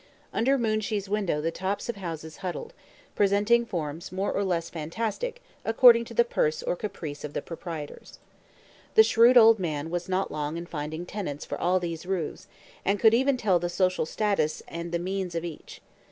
Under Moonshee's window the tops of houses huddled, presenting forms more or less fantastic according to the purse or caprice of the proprietors. The shrewd old man was not long in finding tenants for all these roofs, and could even tell the social status and the means of each.